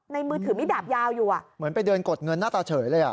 มือถือมีดาบยาวอยู่อ่ะเหมือนไปเดินกดเงินหน้าตาเฉยเลยอ่ะ